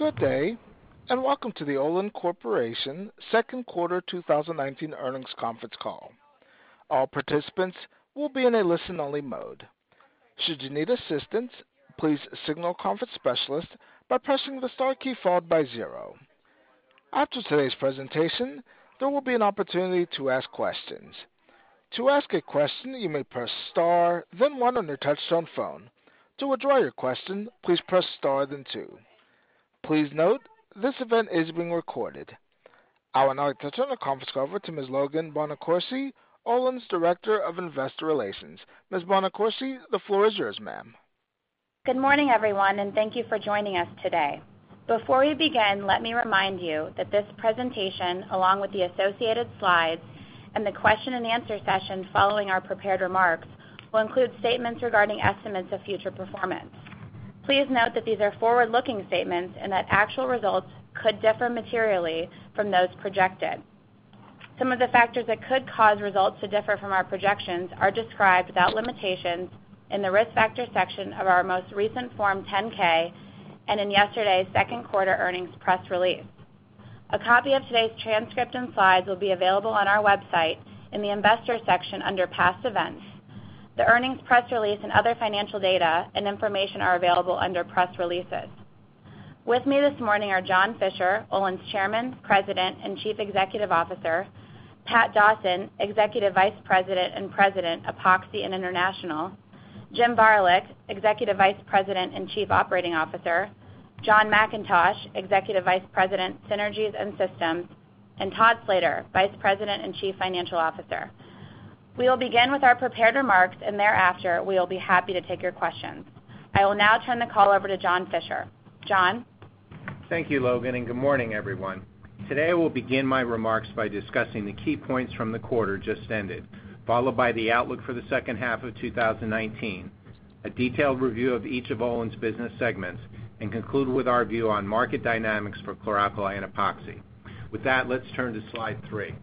Good day, and welcome to the Olin Corporation second quarter 2019 earnings conference call. All participants will be in a listen-only mode. Should you need assistance, please signal a conference specialist by pressing the star key followed by zero. After today's presentation, there will be an opportunity to ask questions. To ask a question, you may press star, then one on your touch-tone phone. To withdraw your question, please press star, then two. Please note, this event is being recorded. I would now like to turn the conference over to Ms. Logan Bonacorsi, Olin's Director of Investor Relations. Ms. Bonacorsi, the floor is yours, ma'am. Good morning, everyone, and thank you for joining us today. Before we begin, let me remind you that this presentation, along with the associated slides and the question and answer session following our prepared remarks, will include statements regarding estimates of future performance. Please note that these are forward-looking statements and that actual results could differ materially from those projected. Some of the factors that could cause results to differ from our projections are described without limitations in the Risk Factors section of our most recent Form 10-K and in yesterday's second quarter earnings press release. A copy of today's transcript and slides will be available on our website in the Investors section under Past Events. The earnings press release and other financial data and information are available under Press Releases. With me this morning are John Fischer, Olin's Chairman, President, and Chief Executive Officer; Pat Dawson, Executive Vice President and President, Epoxy and International; Jim Varilek, Executive Vice President and Chief Operating Officer; F, Executive Vice President, Synergies and Systems; and Todd Slater, Vice President and Chief Financial Officer. We will begin with our prepared remarks and thereafter, we will be happy to take your questions. I will now turn the call over to John Fischer. John? Thank you, Logan, and good morning, everyone. Today, I will begin my remarks by discussing the key points from the quarter just ended, followed by the outlook for the second half of 2019, a detailed review of each of Olin's business segments, and conclude with our view on market dynamics for chlor alkali and Epoxy. With that, let's turn to slide three.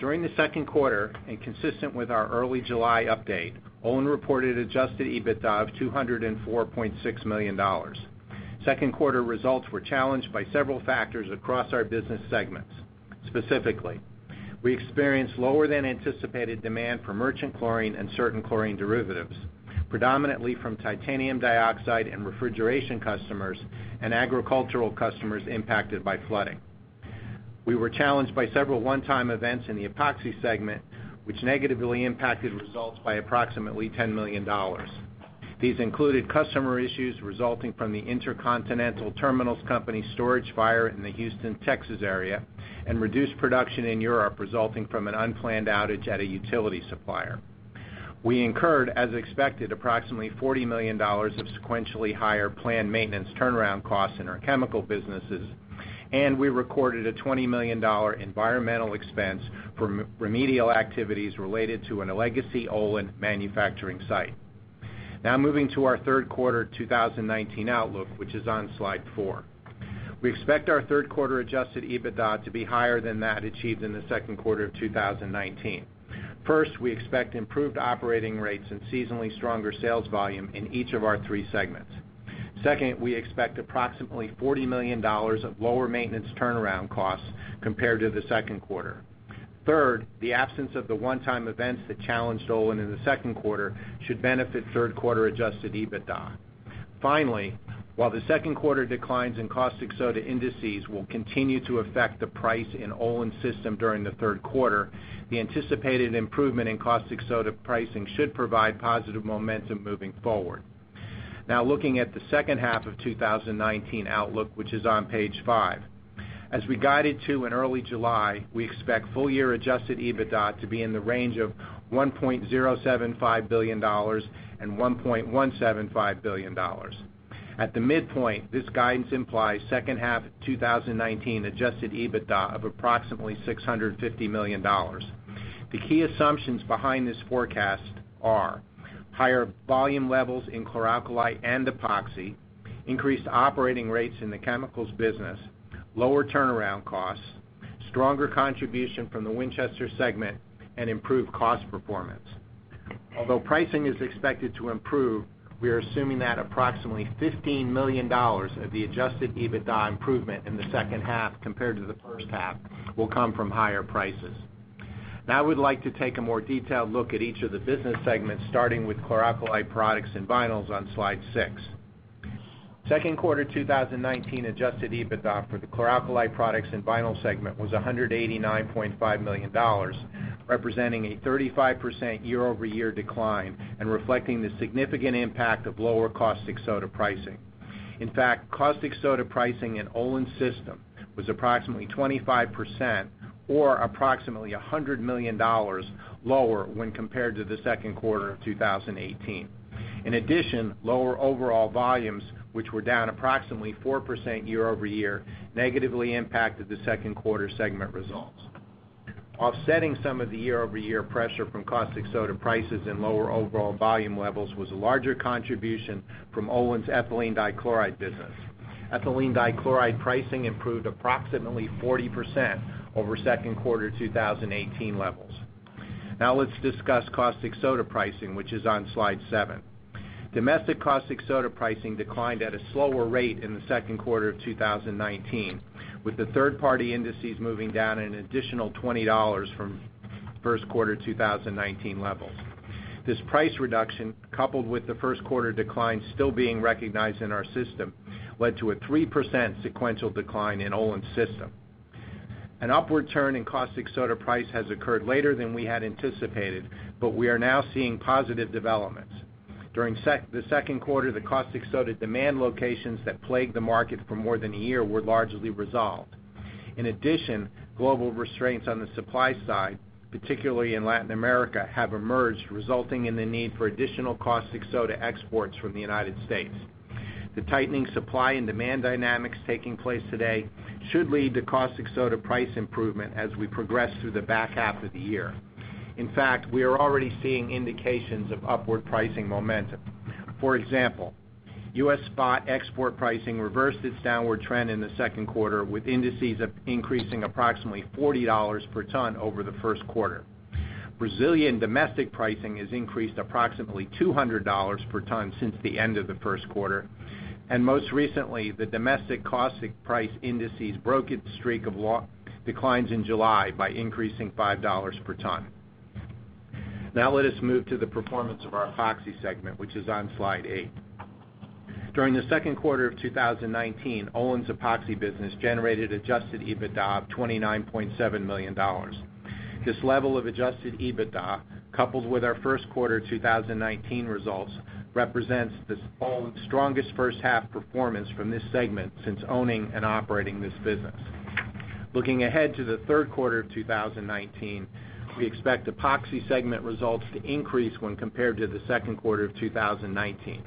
During the second quarter and consistent with our early July update, Olin reported adjusted EBITDA of $204.6 million. Second quarter results were challenged by several factors across our business segments. Specifically, we experienced lower than anticipated demand for merchant chlorine and certain chlorine derivatives, predominantly from titanium dioxide in refrigeration customers and agricultural customers impacted by flooding. We were challenged by several one-time events in the Epoxy segment, which negatively impacted results by approximately $10 million. These included customer issues resulting from the Intercontinental Terminals Company storage fire in the Houston, Texas area and reduced production in Europe resulting from an unplanned outage at a utility supplier. We incurred, as expected, approximately $40 million of sequentially higher planned maintenance turnaround costs in our chemical businesses, and we recorded a $20 million environmental expense for remedial activities related to a legacy Olin manufacturing site. Now, moving to our third quarter 2019 outlook, which is on slide four. We expect our third quarter adjusted EBITDA to be higher than that achieved in the second quarter of 2019. First, we expect improved operating rates and seasonally stronger sales volume in each of our three segments. Second, we expect approximately $40 million of lower maintenance turnaround costs compared to the second quarter. Third, the absence of the one-time events that challenged Olin in the second quarter should benefit third quarter adjusted EBITDA. While the second quarter declines in caustic soda indices will continue to affect the price in Olin system during the third quarter, the anticipated improvement in caustic soda pricing should provide positive momentum moving forward. Looking at the second half of 2019 outlook, which is on page five. As we guided to in early July, we expect full-year adjusted EBITDA to be in the range of $1.075 billion and $1.175 billion. At the midpoint, this guidance implies second half 2019 adjusted EBITDA of approximately $650 million. The key assumptions behind this forecast are higher volume levels in chlor alkali and Epoxy, increased operating rates in the chemicals business, lower turnaround costs, stronger contribution from the Winchester segment, and improved cost performance. Although pricing is expected to improve, we are assuming that approximately $15 million of the adjusted EBITDA improvement in the second half compared to the first half will come from higher prices. Now, I would like to take a more detailed look at each of the business segments, starting with Chlor Alkali Products and Vinyls on slide six. Second quarter 2019 adjusted EBITDA for the Chlor Alkali Products and Vinyls segment was $189.5 million, representing a 35% year-over-year decline and reflecting the significant impact of lower caustic soda pricing. In fact, caustic soda pricing in Olin system was approximately 25% or approximately $100 million lower when compared to the second quarter of 2018. In addition, lower overall volumes, which were down approximately 4% year-over-year, negatively impacted the second quarter segment results. Offsetting some of the year-over-year pressure from caustic soda prices and lower overall volume levels was a larger contribution from Olin's ethylene dichloride business. Ethylene dichloride pricing improved approximately 40% over second quarter 2018 levels. Now let's discuss caustic soda pricing, which is on slide seven. Domestic caustic soda pricing declined at a slower rate in the second quarter of 2019, with the third-party indices moving down an additional $20 from first quarter 2019 levels. This price reduction, coupled with the first quarter decline still being recognized in our system, led to a 3% sequential decline in Olin's system. An upward turn in caustic soda price has occurred later than we had anticipated, but we are now seeing positive developments. During the second quarter, the caustic soda demand locations that plagued the market for more than a year were largely resolved. In addition, global restraints on the supply side, particularly in Latin America, have emerged, resulting in the need for additional caustic soda exports from the United States. The tightening supply and demand dynamics taking place today should lead to caustic soda price improvement as we progress through the back half of the year. In fact, we are already seeing indications of upward pricing momentum. For example, U.S. spot export pricing reversed its downward trend in the second quarter, with indices increasing approximately $40 per ton over the first quarter. Brazilian domestic pricing has increased approximately $200 per ton since the end of the first quarter. Most recently, the domestic caustic price indices broke its streak of declines in July by increasing $5 per ton. Now let us move to the performance of our Epoxy segment, which is on slide eight. During the second quarter of 2019, Olin's Epoxy business generated adjusted EBITDA of $29.7 million. This level of adjusted EBITDA, coupled with our first quarter 2019 results, represents Olin's strongest first-half performance from this segment since owning and operating this business. Looking ahead to the third quarter of 2019, we expect Epoxy segment results to increase when compared to the second quarter of 2019.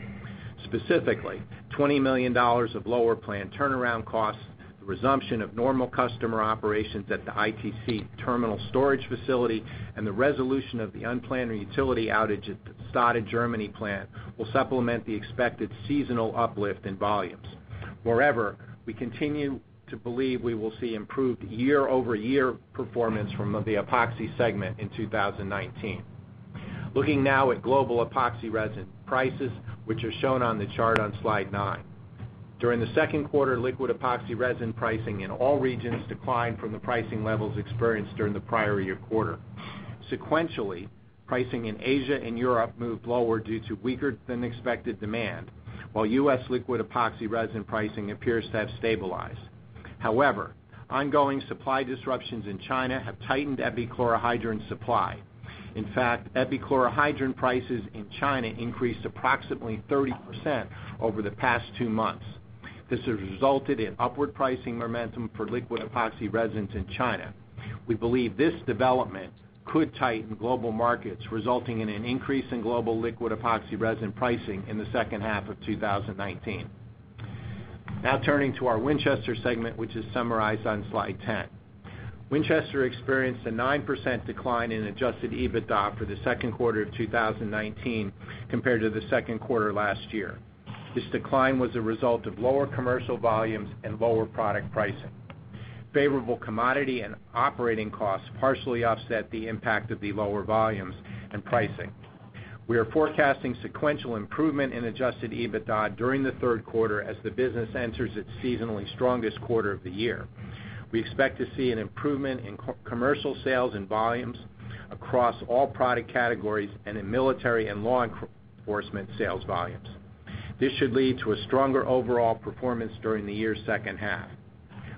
Specifically, $20 million of lower planned turnaround costs, the resumption of normal customer operations at the ITC terminal storage facility, and the resolution of the unplanned utility outage at the Stade, Germany plant, will supplement the expected seasonal uplift in volumes. Moreover, we continue to believe we will see improved year-over-year performance from the Epoxy segment in 2019. Looking now at global epoxy resin prices, which are shown on the chart on slide nine. During the second quarter, liquid epoxy resin pricing in all regions declined from the pricing levels experienced during the prior year quarter. Sequentially, pricing in Asia and Europe moved lower due to weaker-than-expected demand, while U.S. liquid epoxy resin pricing appears to have stabilized. However, ongoing supply disruptions in China have tightened epichlorohydrin supply. In fact, epichlorohydrin prices in China increased approximately 30% over the past two months. This has resulted in upward pricing momentum for liquid epoxy resins in China. We believe this development could tighten global markets, resulting in an increase in global liquid epoxy resin pricing in the second half of 2019. Now turning to our Winchester segment, which is summarized on slide 10. Winchester experienced a 9% decline in adjusted EBITDA for the second quarter of 2019 compared to the second quarter last year. This decline was a result of lower commercial volumes and lower product pricing. Favorable commodity and operating costs partially offset the impact of the lower volumes and pricing. We are forecasting sequential improvement in adjusted EBITDA during the third quarter as the business enters its seasonally strongest quarter of the year. We expect to see an improvement in commercial sales and volumes across all product categories and in military and law enforcement sales volumes. This should lead to a stronger overall performance during the year's second half.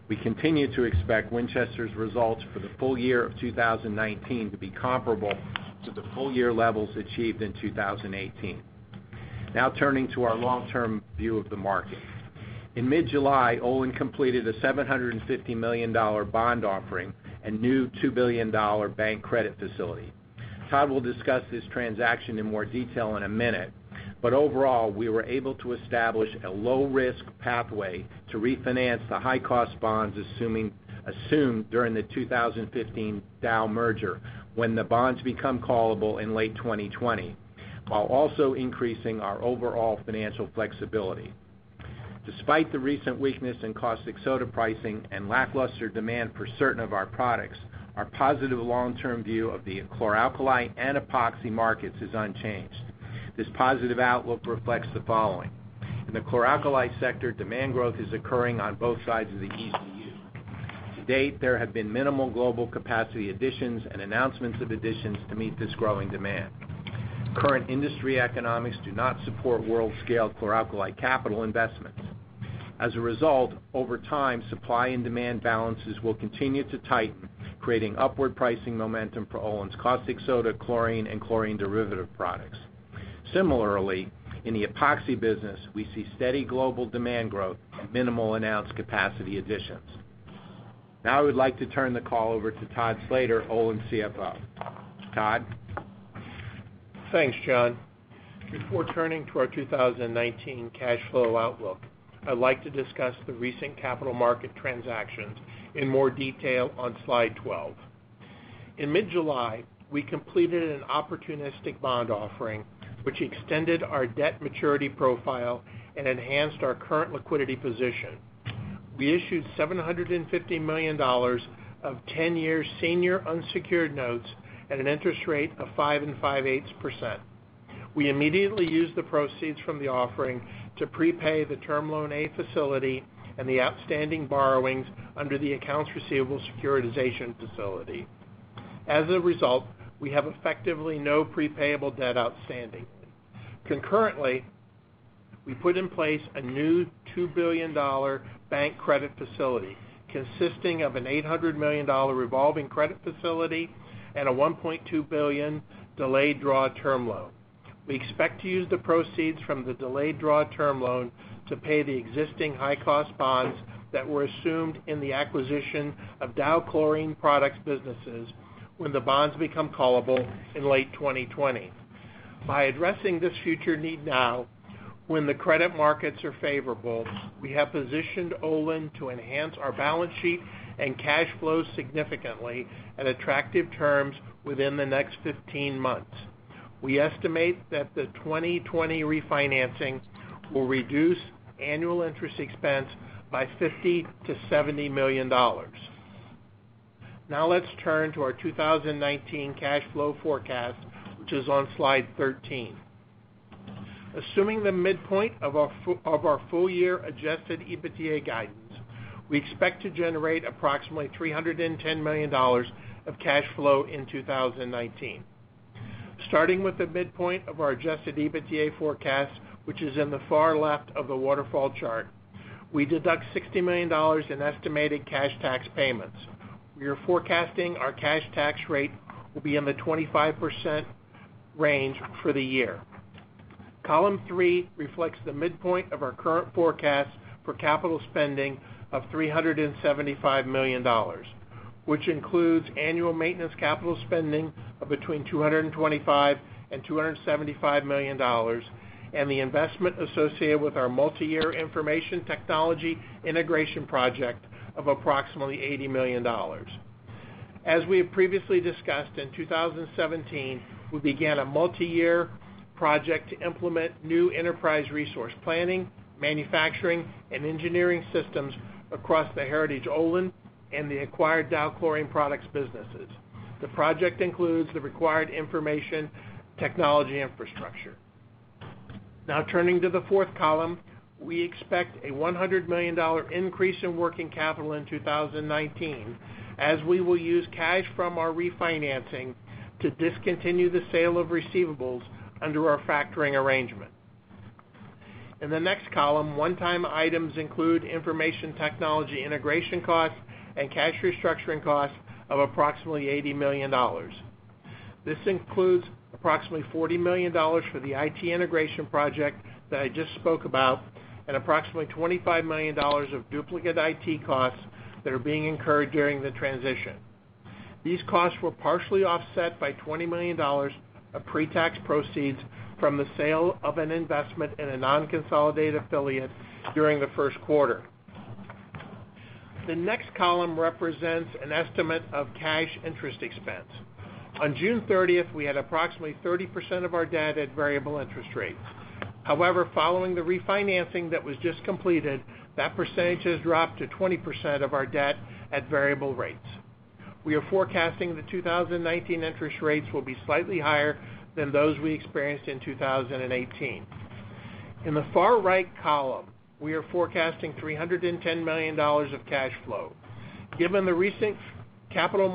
We continue to expect Winchester's results for the full year of 2019 to be comparable to the full year levels achieved in 2018. Now turning to our long-term view of the market. In mid-July, Olin completed a $750 million bond offering and new $2 billion bank credit facility. Todd will discuss this transaction in more detail in a minute, but overall, we were able to establish a low-risk pathway to refinance the high-cost bonds assumed during the 2015 Dow merger when the bonds become callable in late 2020, while also increasing our overall financial flexibility. Despite the recent weakness in caustic soda pricing and lackluster demand for certain of our products, our positive long-term view of the chlor alkali and epoxy markets is unchanged. This positive outlook reflects the following. In the chlor alkali sector, demand growth is occurring on both sides of the ECU. To date, there have been minimal global capacity additions and announcements of additions to meet this growing demand. Current industry economics do not support world-scale chlor alkali capital investments. As a result, over time, supply and demand balances will continue to tighten, creating upward pricing momentum for Olin's caustic soda, chlorine, and chlorine derivative products. Similarly, in the epoxy business, we see steady global demand growth and minimal announced capacity additions. Now I would like to turn the call over to Todd Slater, Olin's CFO. Todd? Thanks, John. Before turning to our 2019 cash flow outlook, I'd like to discuss the recent capital market transactions in more detail on slide 12. In mid-July, we completed an opportunistic bond offering, which extended our debt maturity profile and enhanced our current liquidity position. We issued $750 million of 10-year senior unsecured notes at an interest rate of 5.625%. We immediately used the proceeds from the offering to prepay the term loan A facility and the outstanding borrowings under the accounts receivable securitization facility. As a result, we have effectively no payable debt outstanding. Concurrently, we put in place a new $2 billion bank credit facility consisting of an $800 million revolving credit facility and a $1.2 billion delayed draw term loan. We expect to use the proceeds from the delayed draw term loan to pay the existing high-cost bonds that were assumed in the acquisition of Dow Chlorine Products businesses when the bonds become callable in late 2020. By addressing this future need now, when the credit markets are favorable, we have positioned Olin to enhance our balance sheet and cash flow significantly at attractive terms within the next 15 months. We estimate that the 2020 refinancing will reduce annual interest expense by $50 million-$70 million. Now let's turn to our 2019 cash flow forecast, which is on slide 13. Assuming the midpoint of our full year adjusted EBITDA guidance, we expect to generate approximately $310 million of cash flow in 2019. Starting with the midpoint of our adjusted EBITDA forecast, which is in the far left of the waterfall chart, we deduct $60 million in estimated cash tax payments. We are forecasting our cash tax rate will be in the 25% range for the year. Column three reflects the midpoint of our current forecast for capital spending of $375 million, which includes annual maintenance capital spending of between $225 million and $275 million, and the investment associated with our multi-year information technology integration project of approximately $80 million. We have previously discussed, in 2017, we began a multi-year project to implement new enterprise resource planning, manufacturing, and engineering systems across the heritage Olin and the acquired Dow Chlorine Products businesses. The project includes the required information technology infrastructure. Turning to the fourth column, we expect a $100 million increase in working capital in 2019, as we will use cash from our refinancing to discontinue the sale of receivables under our factoring arrangement. In the next column, one-time items include information technology integration costs and cash restructuring costs of approximately $80 million. This includes approximately $40 million for the IT integration project that I just spoke about and approximately $25 million of duplicate IT costs that are being incurred during the transition. These costs were partially offset by $20 million of pre-tax proceeds from the sale of an investment in a non-consolidated affiliate during the first quarter. The next column represents an estimate of cash interest expense. On June 30th, we had approximately 30% of our debt at variable interest rates. However, following the refinancing that was just completed, that percentage has dropped to 20% of our debt at variable rates. We are forecasting the 2019 interest rates will be slightly higher than those we experienced in 2018. In the far right column, we are forecasting $310 million of cash flow. Given the recent capital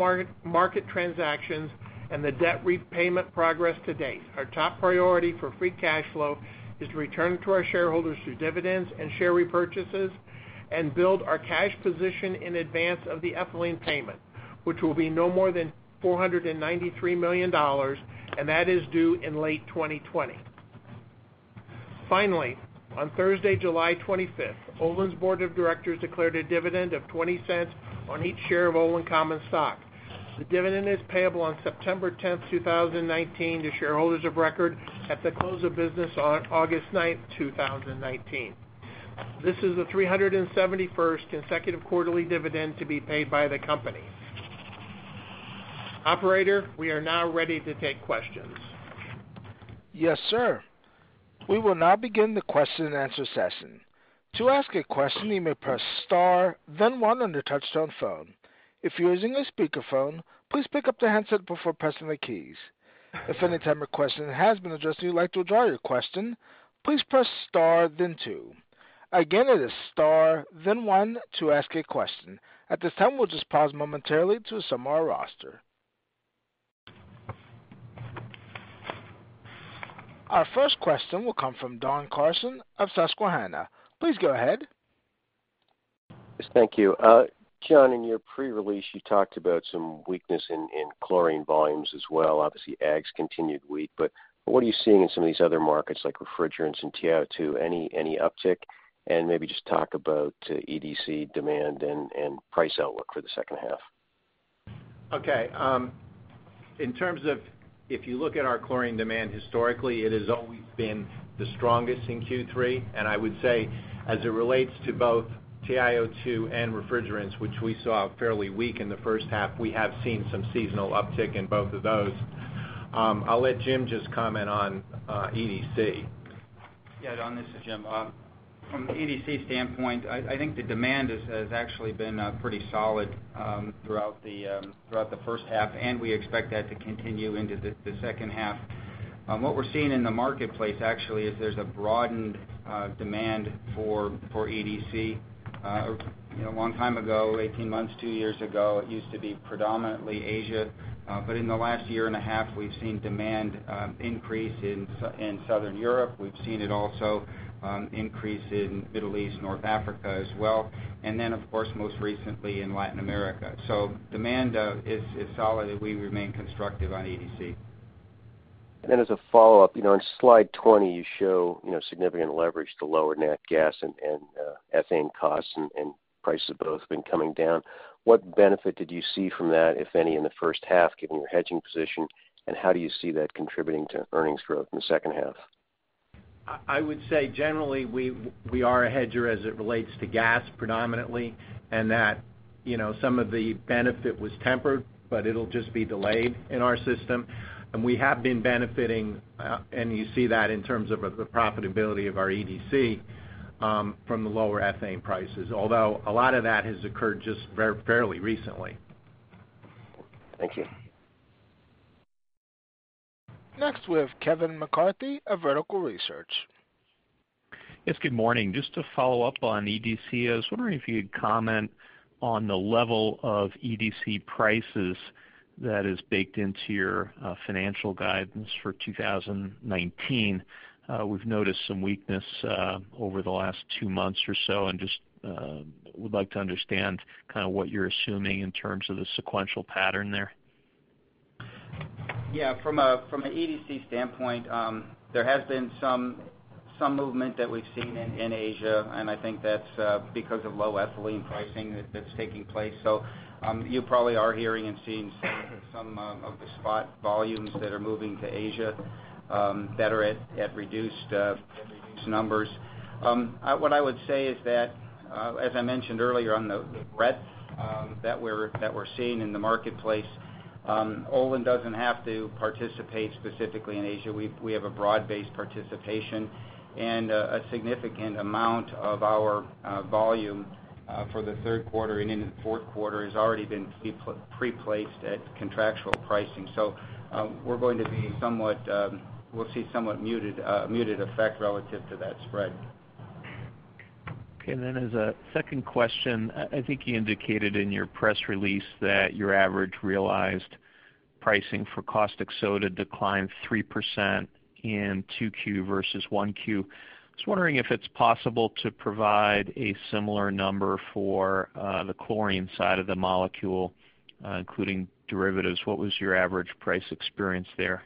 market transactions and the debt repayment progress to date, our top priority for free cash flow is to return to our shareholders through dividends and share repurchases and build our cash position in advance of the ethylene payment, which will be no more than $493 million, and that is due in late 2020. On Thursday, July 25th, Olin's Board of Directors declared a dividend of $0.20 on each share of Olin common stock. The dividend is payable on September 10th, 2019 to shareholders of record at the close of business on August 9th, 2019. This is the 371st consecutive quarterly dividend to be paid by the company. Operator, we are now ready to take questions. Yes, sir. We will now begin the question and answer session. To ask a question, you may press star then one on your touchtone phone. If you're using a speakerphone, please pick up the handset before pressing the keys. If any type of question has been addressed and you'd like to withdraw your question, please press star then two. Again, it is star then one to ask a question. At this time, we'll just pause momentarily to assemble our roster. Our first question will come from Don Carson of Susquehanna. Please go ahead. Yes. Thank you. John, in your pre-release, you talked about some weakness in chlorine volumes as well, obviously ags continued weak, but what are you seeing in some of these other markets like refrigerants and TiO2? Any uptick? Maybe just talk about EDC demand and price outlook for the second half. Okay. If you look at our chlorine demand historically, it has always been the strongest in Q3. I would say as it relates to both TiO2 and refrigerants, which we saw fairly weak in the first half, we have seen some seasonal uptick in both of those. I will let Jim just comment on EDC. Don, this is Jim. From an EDC standpoint, I think the demand has actually been pretty solid throughout the first half, and we expect that to continue into the second half. What we're seeing in the marketplace actually is there's a broadened demand for EDC. A long time ago, 18 months, two years ago it used to be predominantly Asia. In the last year and a half, we've seen demand increase in Southern Europe. We've seen it also increase in Middle East, North Africa as well. Of course, most recently in Latin America. Demand is solid. We remain constructive on EDC. As a follow-up, on slide 20, you show significant leverage to lower net gas and ethane costs, and prices of both have been coming down. What benefit did you see from that, if any, in the first half, given your hedging position, and how do you see that contributing to earnings growth in the second half? I would say generally, we are a hedger as it relates to gas predominantly, some of the benefit was tempered, it'll just be delayed in our system. We have been benefiting, and you see that in terms of the profitability of our EDC from the lower ethane prices. Although, a lot of that has occurred just fairly recently. Thank you. Next, we have Kevin McCarthy of Vertical Research. Yes, good morning. Just to follow up on EDC, I was wondering if you could comment on the level of EDC prices that is baked into your financial guidance for 2019. We've noticed some weakness over the last two months or so, and just would like to understand what you're assuming in terms of the sequential pattern there. Yeah. From an EDC standpoint, there has been some movement that we've seen in Asia, and I think that's because of low ethylene pricing that's taking place. You probably are hearing and seeing some of the spot volumes that are moving to Asia that are at reduced numbers. What I would say is that, as I mentioned earlier on the breadth that we're seeing in the marketplace, Olin doesn't have to participate specifically in Asia. We have a broad-based participation. A significant amount of our volume for the third quarter and into the fourth quarter has already been pre-placed at contractual pricing. We're going to see somewhat muted effect relative to that spread. Okay, as a second question, I think you indicated in your press release that your average realized pricing for caustic soda declined 3% in two Q versus one Q. I was wondering if it's possible to provide a similar number for the chlorine side of the molecule including derivatives. What was your average price experience there?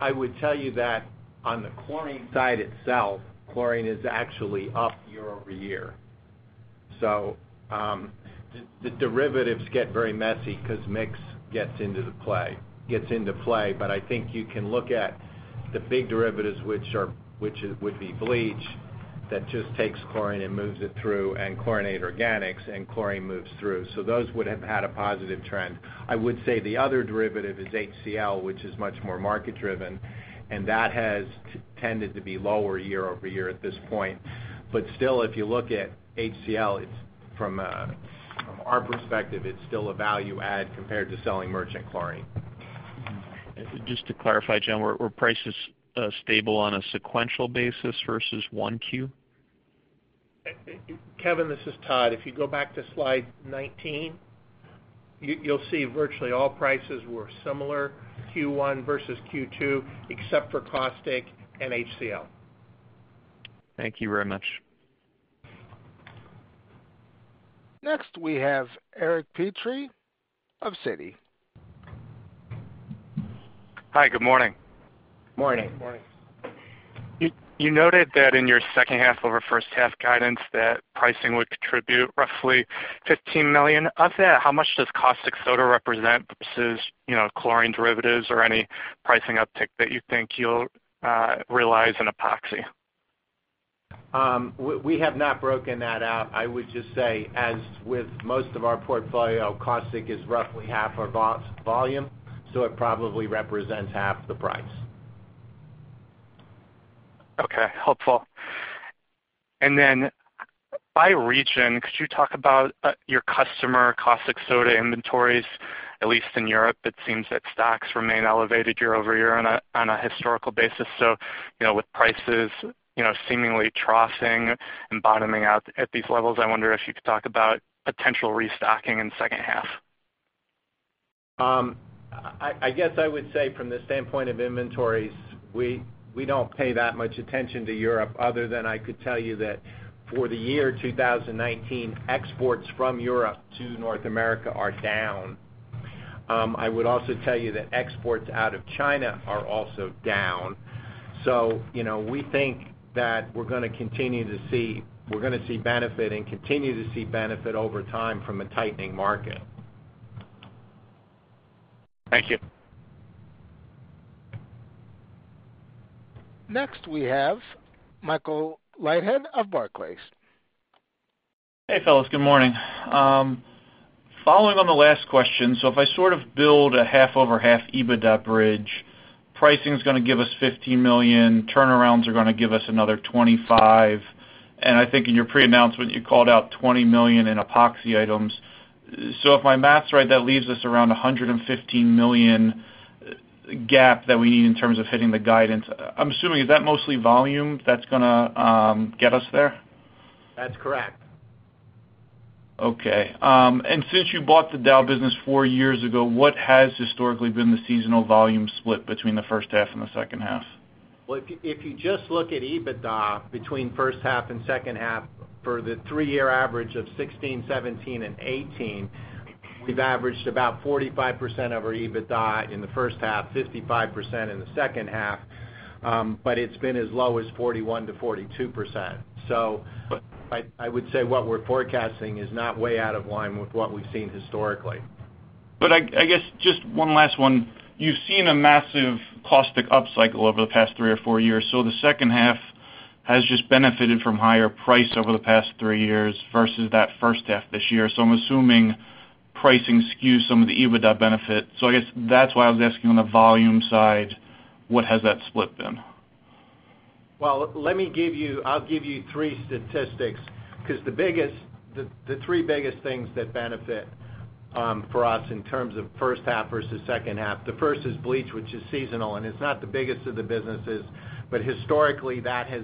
I would tell you that on the chlorine side itself, chlorine is actually up year-over-year. The derivatives get very messy because mix gets into play. I think you can look at the big derivatives, which would be bleach, that just takes chlorine and moves it through, and chlorinated organics, and chlorine moves through. Those would have had a positive trend. I would say the other derivative is HCl, which is much more market driven, and that has tended to be lower year-over-year at this point. Still, if you look at HCl, from our perspective, it's still a value add compared to selling merchant chlorine. Just to clarify, Jim, were prices stable on a sequential basis versus one Q? Kevin, this is Todd. If you go back to slide 19, you'll see virtually all prices were similar Q1 versus Q2 except for caustic and HCl. Thank you very much. Next, we have Eric Petrie of Citi. Hi, good morning. Morning. Good morning. You noted that in your second half over first half guidance, that pricing would contribute roughly $15 million. Of that, how much does caustic soda represent versus chlorine derivatives or any pricing uptick that you think you'll realize in Epoxy? We have not broken that out. I would just say, as with most of our portfolio, caustic is roughly half our volume, so it probably represents half the price. Okay. Helpful. By region, could you talk about your customer caustic soda inventories? At least in Europe, it seems that stocks remain elevated year-over-year on a historical basis. With prices seemingly troughing and bottoming out at these levels, I wonder if you could talk about potential restocking in the second half. I guess I would say from the standpoint of inventories, we don't pay that much attention to Europe other than I could tell you that for the year 2019, exports from Europe to North America are down. I would also tell you that exports out of China are also down. We think that we're going to see benefit and continue to see benefit over time from a tightening market. Thank you. Next, we have Michael Leithead of Barclays. Hey, fellas. Good morning. Following on the last question, if I sort of build a half over half EBITDA bridge, pricing's going to give us $15 million, turnarounds are going to give us another $25. I think in your pre-announcement, you called out $20 million in epoxy items. If my math's right, that leaves us around $115 million gap that we need in terms of hitting the guidance. I'm assuming, is that mostly volume that's going to get us there? That's correct. Okay. Since you bought the Dow business four years ago, what has historically been the seasonal volume split between the first half and the second half? Well, if you just look at EBITDA between first half and second half for the three-year average of 2016, 2017, and 2018, we've averaged about 45% of our EBITDA in the first half, 55% in the second half. It's been as low as 41%-42%. I would say what we're forecasting is not way out of line with what we've seen historically. I guess just one last one. You've seen a massive caustic upcycle over the past three or four years, the second half has just benefited from higher price over the past three years versus that first half this year. I'm assuming pricing skews some of the EBITDA benefit. I guess that's why I was asking on the volume side, what has that split been? Well, I'll give you three statistics because the three biggest things that benefit for us in terms of first half versus second half. The first is bleach, which is seasonal, and it's not the biggest of the businesses, but historically, that has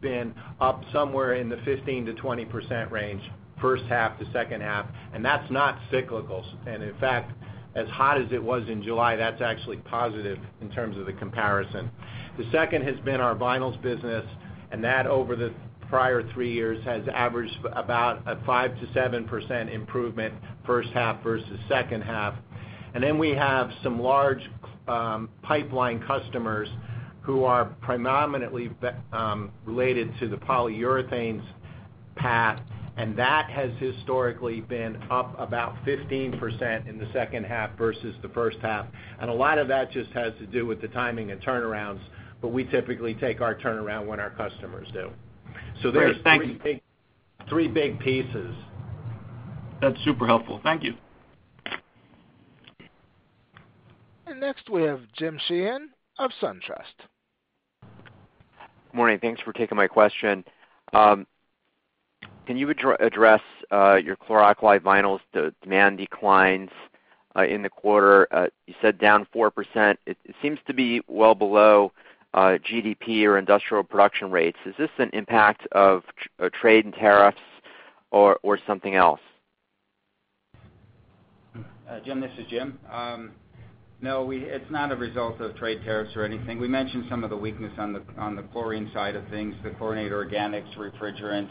been up somewhere in the 15%-20% range first half to second half, and that's not cyclical. In fact, as hot as it was in July, that's actually positive in terms of the comparison. The second has been our vinyls business, and that over the prior three years has averaged about a 5%-7% improvement first half versus second half. We have some large pipeline customers who are predominantly related to the polyurethanes path, and that has historically been up about 15% in the second half versus the first half. A lot of that just has to do with the timing of turnarounds, but we typically take our turnaround when our customers do. Great. Thank you. There's three big pieces. That's super helpful. Thank you. Next we have James Sheehan of SunTrust. Morning. Thanks for taking my question. Can you address your Chlor-Alkali Vinyls, the demand declines in the quarter? You said down 4%. It seems to be well below GDP or industrial production rates. Is this an impact of trade and tariffs or something else? Jim, this is Jim. No, it's not a result of trade tariffs or anything. We mentioned some of the weakness on the chlorine side of things, the chlorinated organics, refrigerants,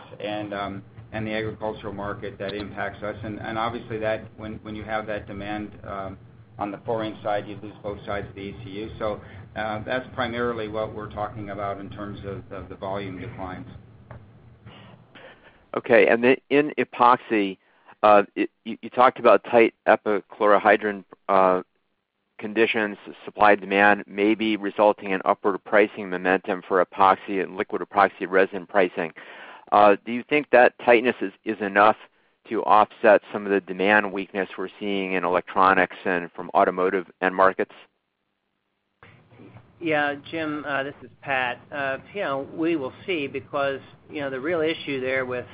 and the agricultural market that impacts us. Obviously when you have that demand on the chlorine side, you lose both sides of the ECU. That's primarily what we're talking about in terms of the volume declines. Okay. In epoxy, you talked about tight epichlorohydrin conditions, supply, demand may be resulting in upward pricing momentum for epoxy and liquid epoxy resin pricing. Do you think that tightness is enough to offset some of the demand weakness we're seeing in electronics and from automotive end markets? Yeah, Jim, this is Pat. We will see because the real issue there with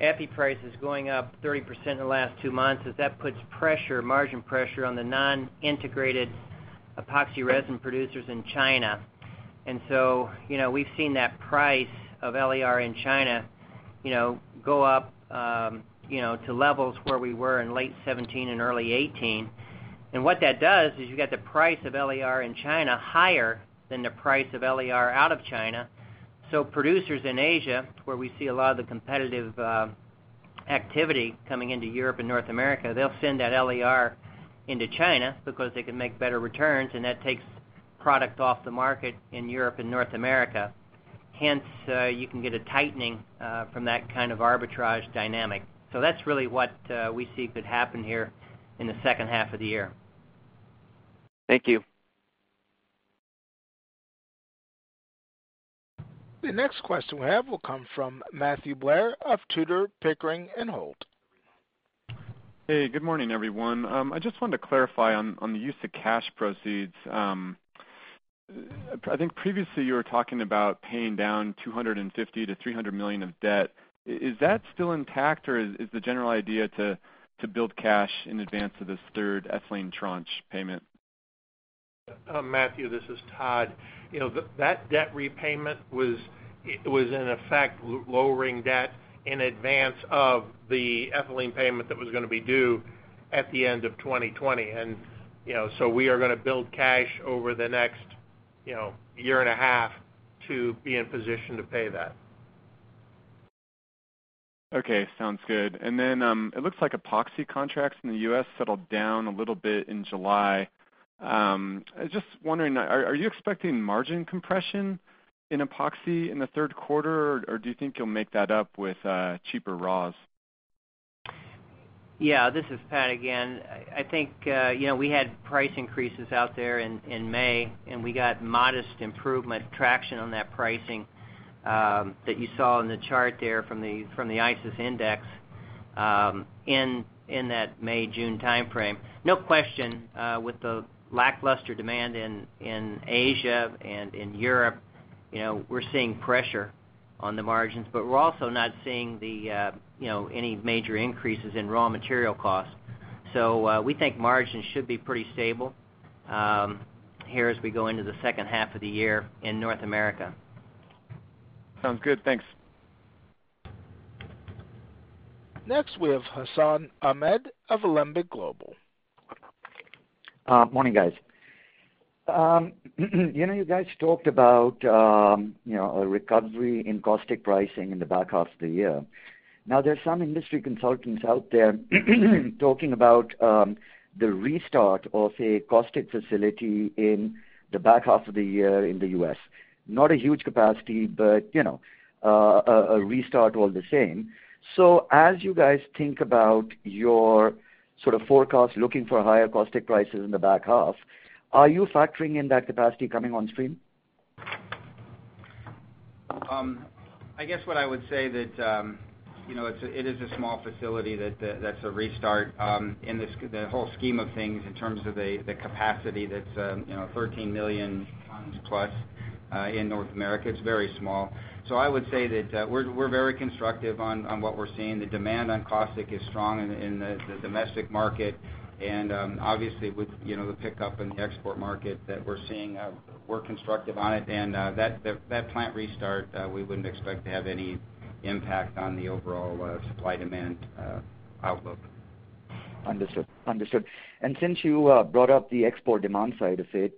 epi prices going up 30% in the last two months is that puts margin pressure on the non-integrated epoxy resin producers in China. We've seen that price of LER in China go up to levels where we were in late 2017 and early 2018. What that does is you get the price of LER in China higher than the price of LER out of China. Producers in Asia, where we see a lot of the competitive activity coming into Europe and North America, they'll send that LER into China because they can make better returns, and that takes product off the market in Europe and North America. You can get a tightening from that kind of arbitrage dynamic. That's really what we see could happen here in the second half of the year. Thank you. The next question we have will come from Matthew Blair of Tudor, Pickering & Holt. Hey, good morning, everyone. I just wanted to clarify on the use of cash proceeds. I think previously you were talking about paying down $250 million-$300 million of debt. Is that still intact, or is the general idea to build cash in advance of this third ethylene tranche payment? Matthew, this is Todd. That debt repayment was in effect lowering debt in advance of the ethylene payment that was going to be due at the end of 2020. We are going to build cash over the next year and a half to be in position to pay that. Okay. Sounds good. It looks like epoxy contracts in the U.S. settled down a little bit in July. I was just wondering, are you expecting margin compression in epoxy in the third quarter, or do you think you'll make that up with cheaper raws? Yeah, this is Pat again. I think we had price increases out there in May, and we got modest improvement traction on that pricing that you saw in the chart there from the ICIS index in that May, June timeframe. No question, with the lackluster demand in Asia and in Europe, we're seeing pressure on the margins. We're also not seeing any major increases in raw material costs. We think margins should be pretty stable here as we go into the second half of the year in North America. Sounds good. Thanks. Next, we have Hassan Ahmed of Alembic Global. Morning, guys. You guys talked about a recovery in caustic pricing in the back half of the year. There's some industry consultants out there talking about the restart of a caustic facility in the back half of the year in the U.S. Not a huge capacity, but a restart all the same. As you guys think about your sort of forecast, looking for higher caustic prices in the back half, are you factoring in that capacity coming on stream? I guess what I would say that it is a small facility that's a restart. In the whole scheme of things, in terms of the capacity that's 13 million tons plus in North America, it's very small. I would say that we're very constructive on what we're seeing. The demand on caustic is strong in the domestic market, obviously with the pickup in the export market that we're seeing, we're constructive on it. That plant restart, we wouldn't expect to have any impact on the overall supply demand outlook. Understood. Since you brought up the export demand side of it,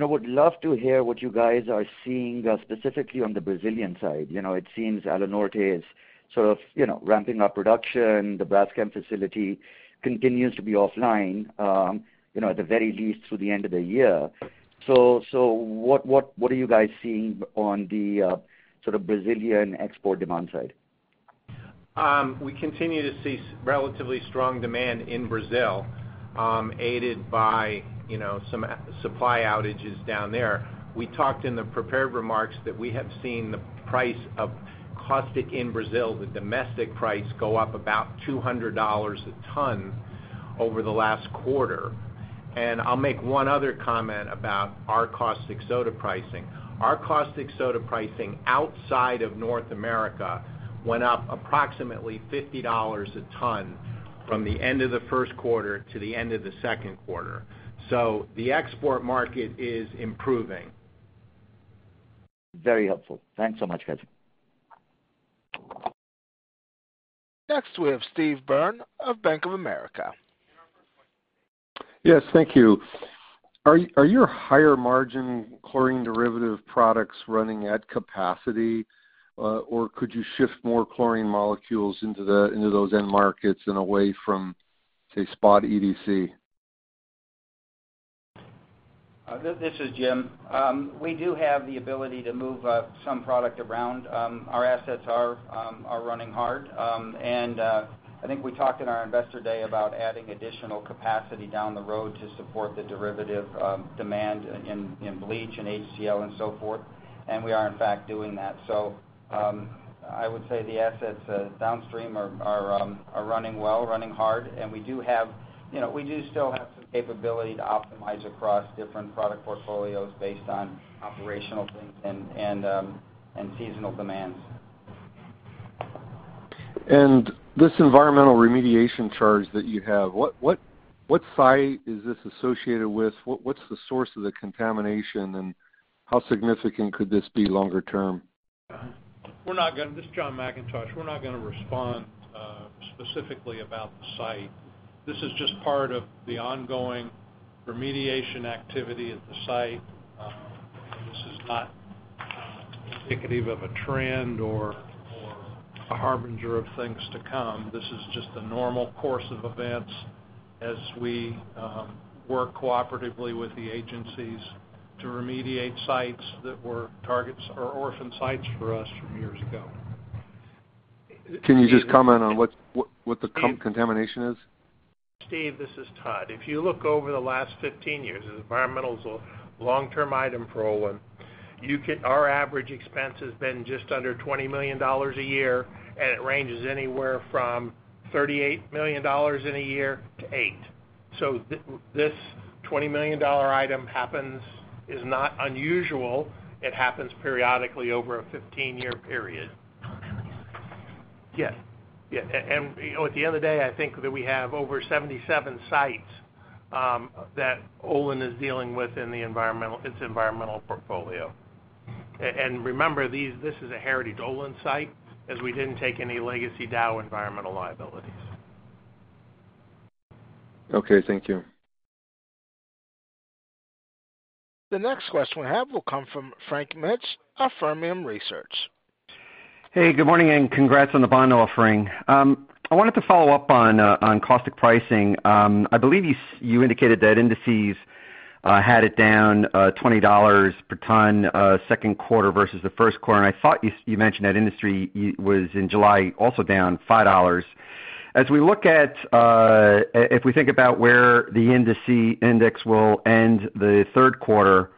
would love to hear what you guys are seeing specifically on the Brazilian side. It seems Alunorte is sort of ramping up production. The Braskem facility continues to be offline at the very least through the end of the year. What are you guys seeing on the sort of Brazilian export demand side? We continue to see relatively strong demand in Brazil, aided by some supply outages down there. We talked in the prepared remarks that we have seen the price of caustic soda in Brazil, the domestic price, go up about $200 a ton over the last quarter. I'll make one other comment about our caustic soda pricing. Our caustic soda pricing outside of North America went up approximately $50 a ton from the end of the first quarter to the end of the second quarter. The export market is improving. Very helpful. Thanks so much, guys. Next, we have Steve Byrne of Bank of America. Yes, thank you. Are your higher margin chlorine derivative products running at capacity? Could you shift more chlorine molecules into those end markets and away from, say, spot EDC? This is Jim. We do have the ability to move some product around. Our assets are running hard. I think we talked in our investor day about adding additional capacity down the road to support the derivative demand in bleach and HCl and so forth. We are in fact doing that. I would say the assets downstream are running well, running hard, and we do still have some capability to optimize across different product portfolios based on operational things and seasonal demands. This environmental remediation charge that you have, what site is this associated with? What's the source of the contamination, and how significant could this be longer term? This is John McIntosh. We're not going to respond specifically about the site. This is just part of the ongoing remediation activity at the site. This is not indicative of a trend or a harbinger of things to come. This is just the normal course of events as we work cooperatively with the agencies to remediate sites that were targets or orphan sites for us from years ago. Can you just comment on what the contamination is? Steve, this is Todd. If you look over the last 15 years, environmental's a long-term item for Olin. Our average expense has been just under $20 million a year, and it ranges anywhere from $38 million in a year to eight. This $20 million item is not unusual. It happens periodically over a 15-year period. Yes. At the end of the day, I think that we have over 77 sites that Olin is dealing with in its environmental portfolio. Remember, this is a heritage Olin site, as we didn't take any legacy Dow environmental liabilities. Okay, thank you. The next question we have will come from Frank Mitsch of Fermium Research. Hey, good morning, congrats on the bond offering. I wanted to follow up on caustic pricing. I believe you indicated that indices had it down $20 per ton second quarter versus the first quarter. I thought you mentioned that industry was in July also down $5. If we think about where the industry index will end the third quarter,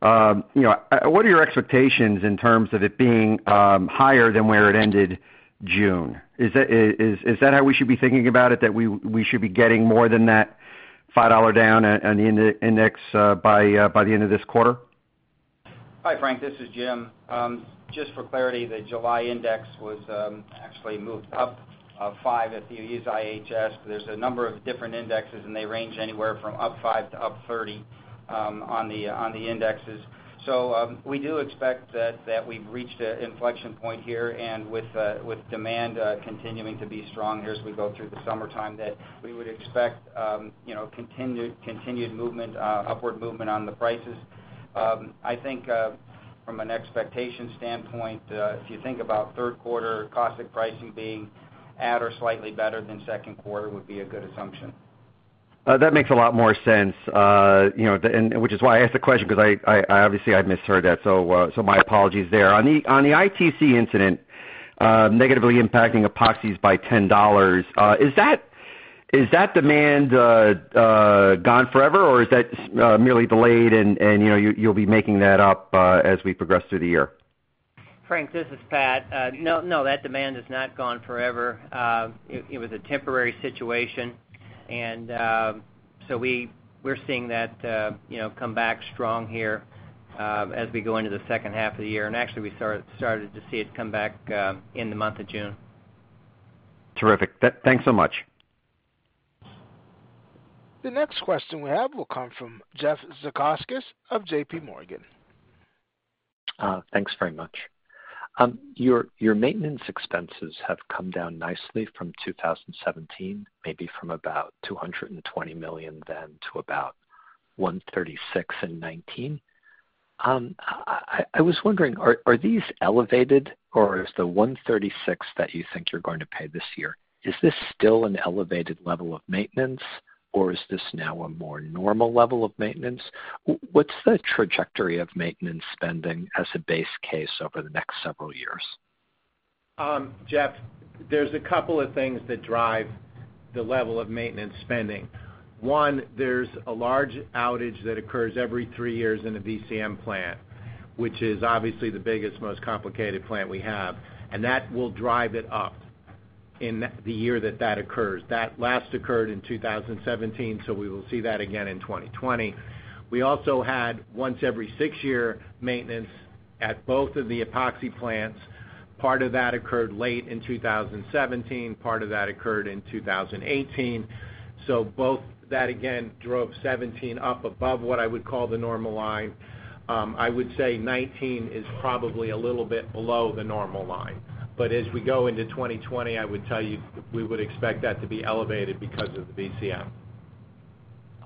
what are your expectations in terms of it being higher than where it ended June? Is that how we should be thinking about it, that we should be getting more than that $5 down on the index by the end of this quarter? Hi, Frank, this is Jim. Just for clarity, the July index was actually moved up five if you use IHS. There's a number of different indexes, and they range anywhere from up 5 to up 30 on the indexes. We do expect that we've reached a inflection point here and with demand continuing to be strong here as we go through the summertime, that we would expect continued upward movement on the prices. I think from an expectation standpoint if you think about third quarter caustic pricing being at or slightly better than second quarter would be a good assumption. That makes a lot more sense, which is why I asked the question because obviously I'd misheard that. My apologies there. On the ITC incident negatively impacting epoxies by $10, is that demand gone forever, or is that merely delayed and you'll be making that up as we progress through the year? Frank, this is Pat. No, that demand is not gone forever. It was a temporary situation. We're seeing that come back strong here as we go into the second half of the year. Actually, we started to see it come back in the month of June. Terrific. Thanks so much. The next question we have will come from Jeff Zekauskas of JPMorgan. Thanks very much. Your maintenance expenses have come down nicely from 2017, maybe from about $220 million then to about $136 in 2019. I was wondering, are these elevated or is the $136 that you think you're going to pay this year, is this still an elevated level of maintenance, or is this now a more normal level of maintenance? What's the trajectory of maintenance spending as a base case over the next several years? Jeff, there's a couple of things that drive the level of maintenance spending. One, there's a large outage that occurs every three years in a VCM plant, which is obviously the biggest, most complicated plant we have. That will drive it up in the year that that occurs. That last occurred in 2017, we will see that again in 2020. We also had once every six year maintenance at both of the epoxy plants. Part of that occurred late in 2017. Part of that occurred in 2018. Both that, again, drove 2017 up above what I would call the normal line. I would say 2019 is probably a little bit below the normal line. As we go into 2020, I would tell you we would expect that to be elevated because of the VCM.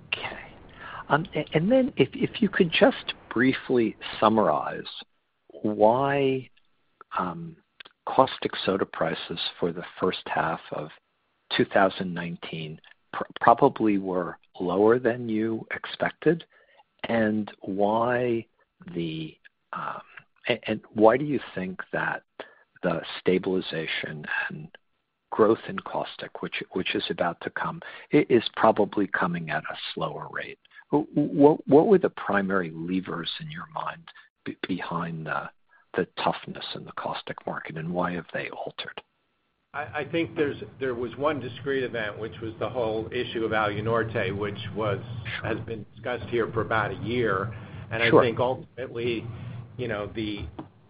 Okay. If you could just briefly summarize why caustic soda prices for the first half of 2019 probably were lower than you expected, and why do you think that the stabilization and growth in caustic, which is about to come, is probably coming at a slower rate? What were the primary levers in your mind behind the toughness in the caustic market, and why have they altered? I think there was one discrete event, which was the whole issue of Alunorte, which has been discussed here for about a year. Sure. I think ultimately, the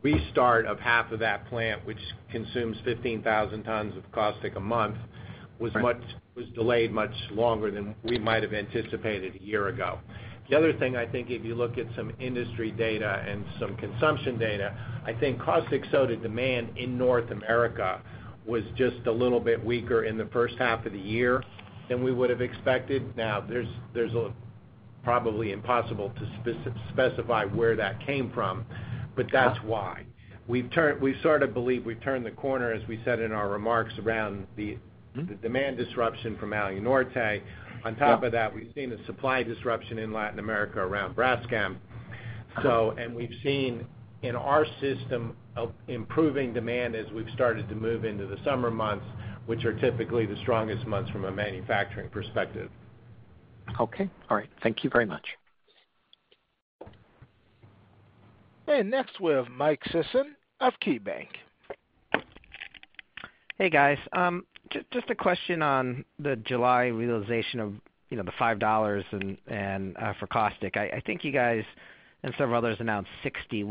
restart of half of that plant, which consumes 15,000 tons of caustic a month was delayed much longer than we might have anticipated a year ago. The other thing I think if you look at some industry data and some consumption data, I think caustic soda demand in North America was just a little bit weaker in the first half of the year than we would have expected. There's probably impossible to specify where that came from, but that's why. We sort of believe we've turned the corner, as we said in our remarks around the demand disruption from Alunorte. On top of that, we've seen a supply disruption in Latin America around Braskem. We've seen in our system improving demand as we've started to move into the summer months, which are typically the strongest months from a manufacturing perspective. Okay. All right. Thank you very much. Next, we have Mike Sison of KeyBanc. Hey, guys. Just a question on the July realization of the $5 for caustic. I think you guys and several others announced $60.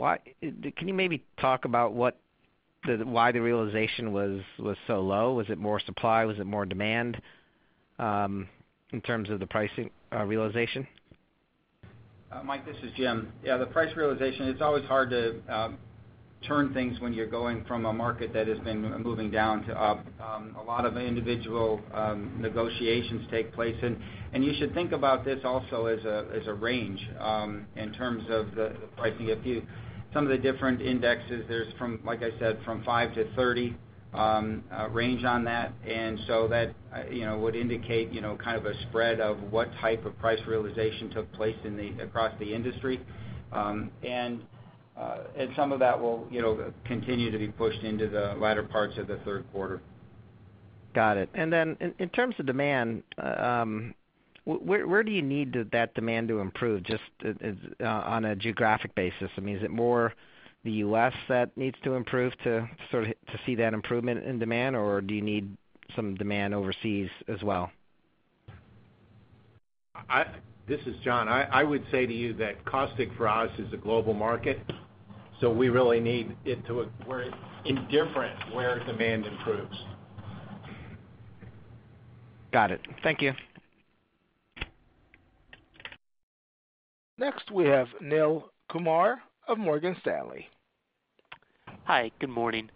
Can you maybe talk about why the realization was so low? Was it more supply? Was it more demand in terms of the pricing realization? Mike, this is Jim. Yeah. The price realization, it's always hard to turn things when you're going from a market that has been moving down to up. A lot of individual negotiations take place, and you should think about this also as a range in terms of the pricing. Some of the different indexes, there's from, like I said, from five to 30 range on that. So that would indicate kind of a spread of what type of price realization took place across the industry. Some of that will continue to be pushed into the latter parts of the third quarter. Got it. Then in terms of demand, where do you need that demand to improve, just on a geographic basis? Is it more the U.S. that needs to improve to see that improvement in demand, or do you need some demand overseas as well? This is John. I would say to you that caustic for us is a global market, so we're indifferent where demand improves. Got it. Thank you. Next, we have Neel Kumar of Morgan Stanley. Hi. Good morning. Morning.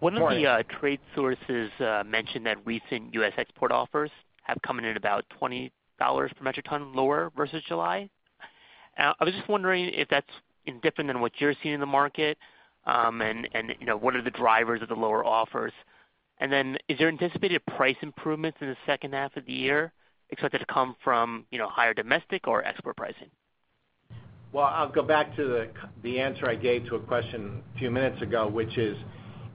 One of the trade sources mentioned that recent U.S. export offers have come in at about $20 per metric ton lower versus July. I was just wondering if that's different than what you're seeing in the market. What are the drivers of the lower offers? Is there anticipated price improvements in the second half of the year expected to come from higher domestic or export pricing? Well, I'll go back to the answer I gave to a question a few minutes ago, which is,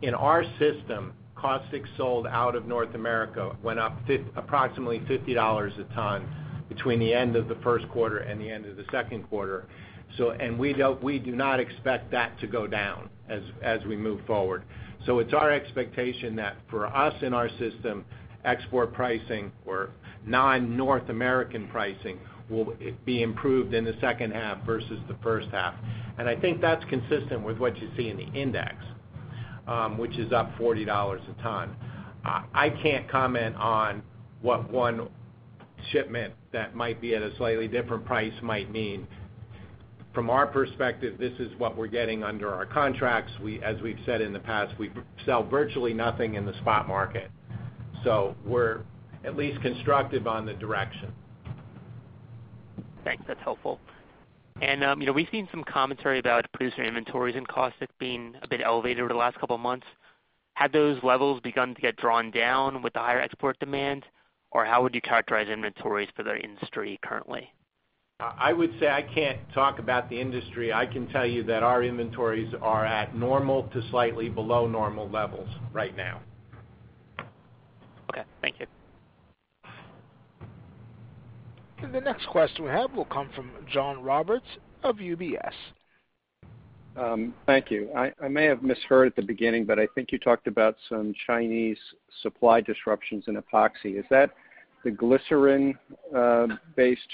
in our system, caustics sold out of North America went up approximately $50 a ton between the end of the first quarter and the end of the second quarter. We do not expect that to go down as we move forward. It's our expectation that for us in our system, export pricing or non-North American pricing will be improved in the second half versus the first half. I think that's consistent with what you see in the index, which is up $40 a ton. I can't comment on what one shipment that might be at a slightly different price might mean. From our perspective, this is what we're getting under our contracts. As we've said in the past, we sell virtually nothing in the spot market, so we're at least constructive on the direction. Thanks. That's helpful. We've seen some commentary about producer inventories and costs have been a bit elevated over the last couple of months. Have those levels begun to get drawn down with the higher export demand, or how would you characterize inventories for the industry currently? I would say I can't talk about the industry. I can tell you that our inventories are at normal to slightly below normal levels right now. Okay, thank you. The next question we have will come from John Roberts of UBS. Thank you. I may have misheard at the beginning, but I think you talked about some Chinese supply disruptions in epoxy. Is that the glycerin-based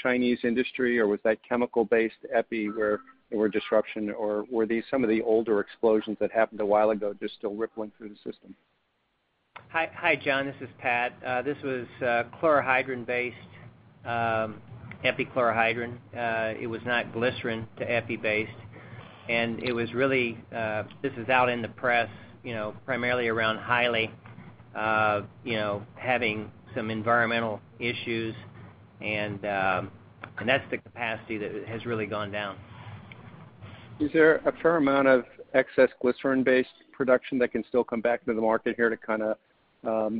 Chinese industry, or was that chemical-based epi where there were disruption? Were these some of the older explosions that happened a while ago, just still rippling through the system? Hi, John. This is Pat. This was chlorohydrin-based epichlorohydrin. It was not glycerin to epi-based. This is out in the press, primarily around Haili having some environmental issues. That's the capacity that has really gone down. Is there a fair amount of excess glycerin-based production that can still come back to the market here to kind of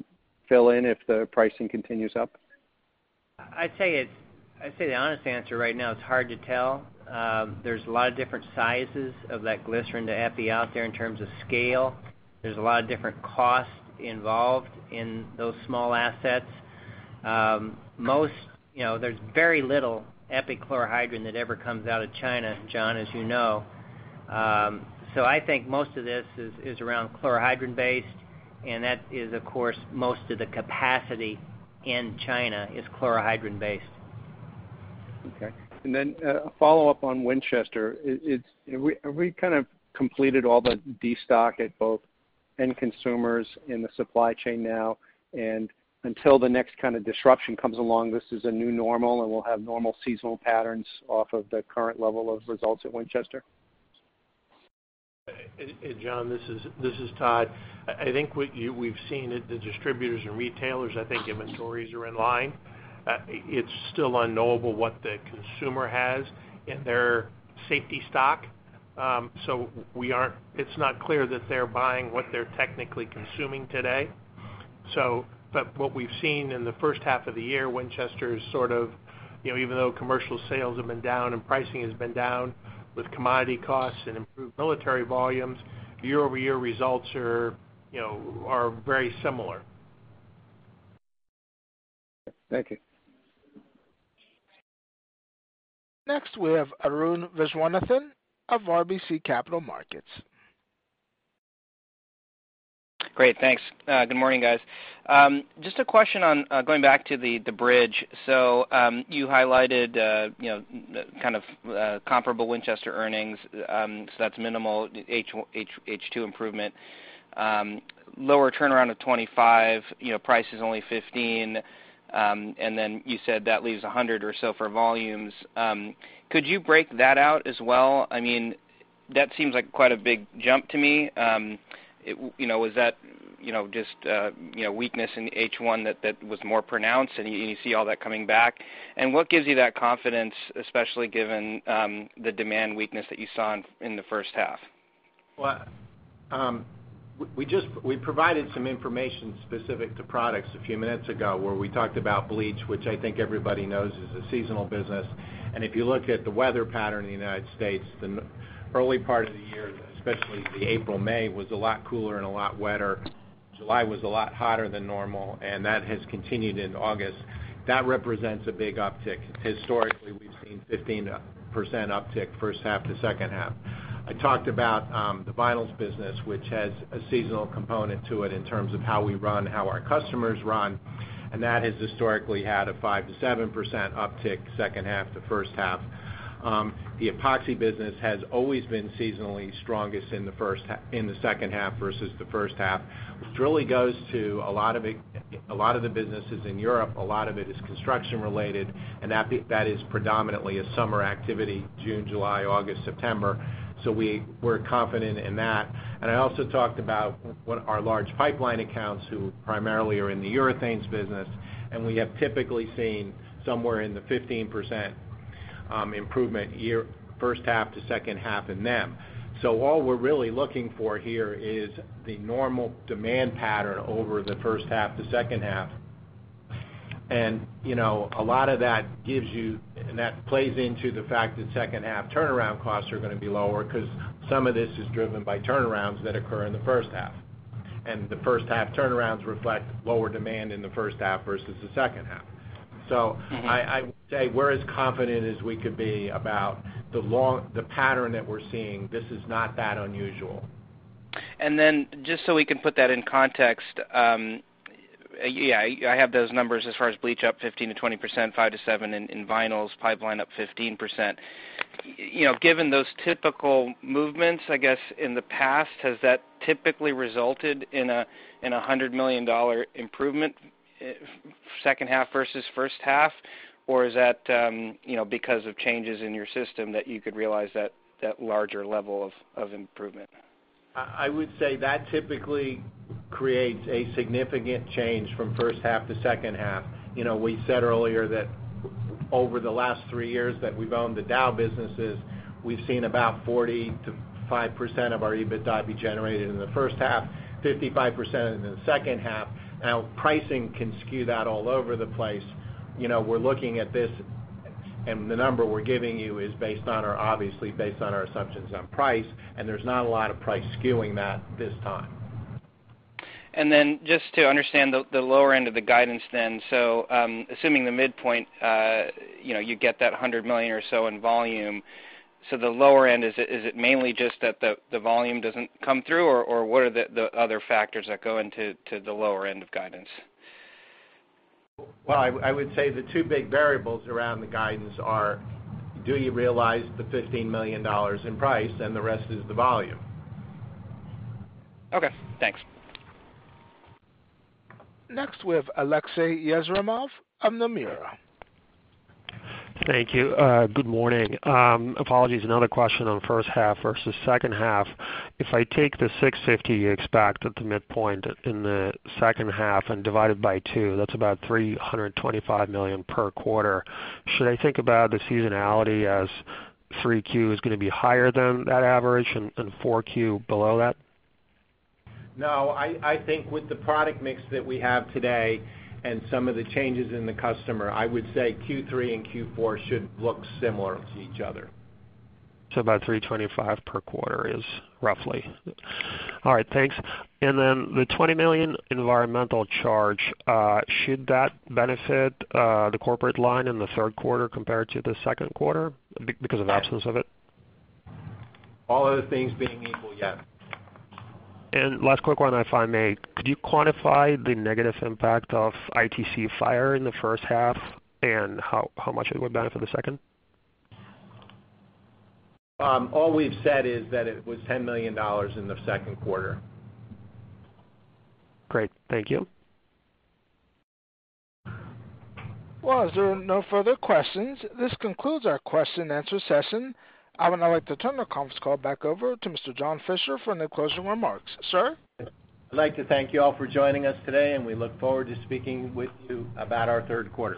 fill in if the pricing continues up? I'd say the honest answer right now, it's hard to tell. There's a lot of different sizes of that glycerin to epi out there in terms of scale. There's a lot of different costs involved in those small assets. There's very little epichlorohydrin that ever comes out of China, John, as you know. I think most of this is around chlorohydrin-based, and that is, of course, most of the capacity in China is chlorohydrin-based. Okay. A follow-up on Winchester. Have we kind of completed all the de-stock at both end consumers in the supply chain now? Until the next kind of disruption comes along, this is a new normal, and we'll have normal seasonal patterns off of the current level of results at Winchester? John, this is Todd. What we've seen at the distributors and retailers, inventories are in line. It's still unknowable what the consumer has in their safety stock. It's not clear that they're buying what they're technically consuming today. What we've seen in the first half of the year, Winchester is sort of, even though commercial sales have been down and pricing has been down with commodity costs and improved military volumes, year-over-year results are very similar. Thank you. Next, we have Arun Viswanathan of RBC Capital Markets. Great. Thanks. Good morning, guys. Just a question on going back to the bridge. You highlighted kind of comparable Winchester earnings. That's minimal H2 improvement. Lower turnaround of $25, price is only $15. You said that leaves $100 or so for volumes. Could you break that out as well? That seems like quite a big jump to me. Was that just weakness in H1 that was more pronounced, and you see all that coming back? What gives you that confidence, especially given the demand weakness that you saw in the first half? We provided some information specific to products a few minutes ago where we talked about bleach, which I think everybody knows is a seasonal business. If you look at the weather pattern in the U.S., the early part of the year, especially the April, May, was a lot cooler and a lot wetter. July was a lot hotter than normal, and that has continued into August. That represents a big uptick. Historically, we've seen 15% uptick first half to second half. I talked about the vinyls business, which has a seasonal component to it in terms of how we run, how our customers run, and that has historically had a 5%-7% uptick second half to first half. The epoxy business has always been seasonally strongest in the second half versus the first half, which really goes to a lot of the businesses in Europe. A lot of it is construction related. That is predominantly a summer activity, June, July, August, September. We're confident in that. I also talked about our large pipeline accounts, who primarily are in the urethanes business. We have typically seen somewhere in the 15% improvement first half to second half in them. All we're really looking for here is the normal demand pattern over the first half to second half. A lot of that plays into the fact that second half turnaround costs are going to be lower because some of this is driven by turnarounds that occur in the first half. The first half turnarounds reflect lower demand in the first half versus the second half. I would say we're as confident as we could be about the pattern that we're seeing. This is not that unusual. Just so we can put that in context, yeah, I have those numbers as far as bleach up 15%-20%, 5%-7% in vinyls, pipeline up 15%. Given those typical movements, I guess, in the past, has that typically resulted in a $100 million improvement second half versus first half? Is that because of changes in your system that you could realize that larger level of improvement? I would say that typically creates a significant change from first half to second half. We said earlier that over the last 3 years that we've owned the Dow businesses, we've seen about 40%-5% of our EBITDA be generated in the first half, 55% in the second half. Pricing can skew that all over the place. We're looking at this, and the number we're giving you is obviously based on our assumptions on price, and there's not a lot of price skewing that this time. Just to understand the lower end of the guidance then, assuming the midpoint, you get that $100 million or so in volume. The lower end, is it mainly just that the volume doesn't come through, or what are the other factors that go into the lower end of guidance? Well, I would say the two big variables around the guidance are, do you realize the $15 million in price? The rest is the volume. Okay, thanks. Next, we have Aleksey Yefremov of Nomura. Thank you. Good morning. Apologies, another question on first half versus second half. If I take the 650 you expect at the midpoint in the second half and divide it by two, that's about $325 million per quarter. Should I think about the seasonality as 3Q is going to be higher than that average and 4Q below that? No, I think with the product mix that we have today and some of the changes in the customer, I would say Q3 and Q4 should look similar to each other. About 325 per quarter is roughly. All right, thanks. The $20 million environmental charge, should that benefit the corporate line in the third quarter compared to the second quarter because of absence of it? All other things being equal, yes. Last quick one, if I may. Could you quantify the negative impact of ITC fire in the first half and how much it would benefit the second? All we've said is that it was $10 million in the second quarter. Great. Thank you. Well, as there are no further questions, this concludes our question and answer session. I would now like to turn the conference call back over to Mr. John Fischer for any closing remarks. Sir? I'd like to thank you all for joining us today, and we look forward to speaking with you about our third quarter.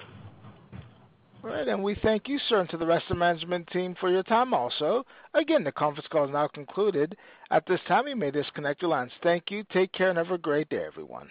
All right. We thank you, sir, and to the rest of the management team for your time also. Again, the conference call is now concluded. At this time, you may disconnect your lines. Thank you, take care, and have a great day, everyone.